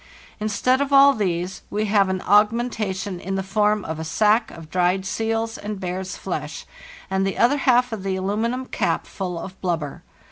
Instead of all these we have an aug mentation in the form of a sack of dried seal's and bear's flesh and the other half of the aluminium cap full of blubber.